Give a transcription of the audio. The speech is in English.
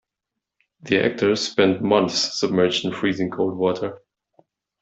The actors spent months submerged in freezing cold water.